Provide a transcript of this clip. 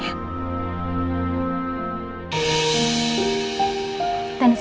ya aku pandai gue